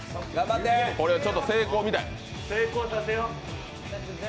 これはちょっと、成功見たい。